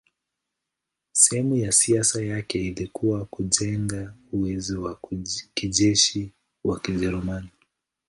Sehemu ya siasa yake ilikuwa kujenga uwezo wa kijeshi wa Ujerumani.